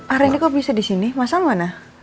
pak rendy kok bisa di sini masalah mana